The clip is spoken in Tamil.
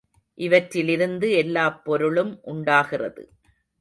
இவற்றிலிருந்து எல்லாப் பொருளும் உண்டாகிறது.